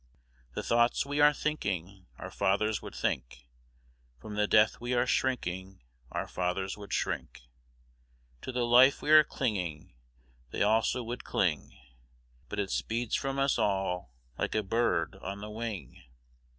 The thoughts we are thinking our fathers would think; From the death we are shrinking our fathers would shrink; To the life we are clinging they also would cling; But it speeds from us all like a bird on the wing.